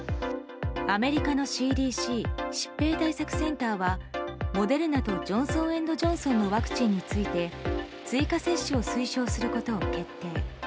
アメリカのＣＤＣ・疾病対策センターはモデルナとジョンソン・エンド・ジョンソンのワクチンについて追加接種を推奨することを決定。